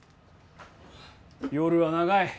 夜は長い。